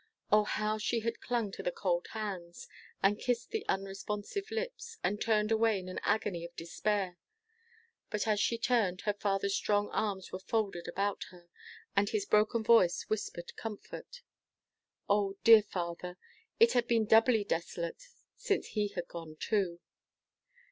O, how she had clung to the cold hands, and kissed the unresponsive lips, and turned away in an agony of despair! But as she turned, her father's strong arms were folded about her, and his broken voice whispered comfort. The dear father! It had been doubly desolate since he had gone, too.